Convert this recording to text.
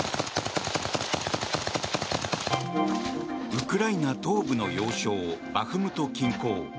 ウクライナ東部の要衝バフムト近郊。